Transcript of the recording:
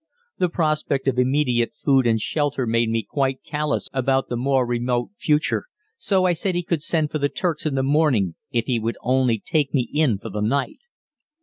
The prospect of immediate food and shelter made me quite callous about the more remote future, so I said he could send for the Turks in the morning if he would only take me in for the night.